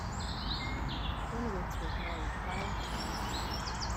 Bonewits was married five times.